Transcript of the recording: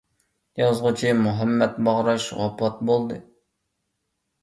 يازغۇچى مۇھەممەت باغراش ۋاپات بولدى.